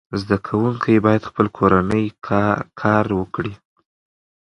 زده کوونکي باید خپل کورنی کار وکړي.